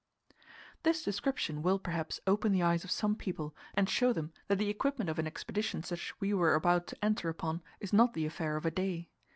This description will, perhaps, open the eyes of some people, and show them that the equipment of an expedition such as we were about to enter upon is not the affair of a day.